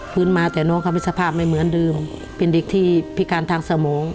มาแต่น้องเขาเป็นสภาพไม่เหมือนเดิมเป็นเด็กที่พิการทางสมอง